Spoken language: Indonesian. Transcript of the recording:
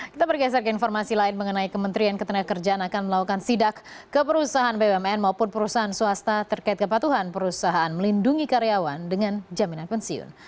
kita bergeser ke informasi lain mengenai kementerian ketenagakerjaan akan melakukan sidak ke perusahaan bumn maupun perusahaan swasta terkait kepatuhan perusahaan melindungi karyawan dengan jaminan pensiun